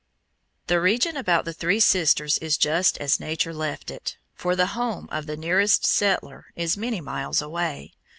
A BOULDER LEFT BY A GLACIER] The region about the Three Sisters is just as nature left it, for the home of the nearest settler is many miles away.